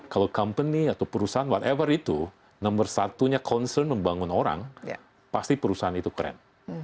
kalau company atau perusahaan wthever itu nomor satunya concern membangun orang pasti perusahaan itu keren